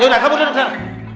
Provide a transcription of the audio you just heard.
yaudah kamu duduk sana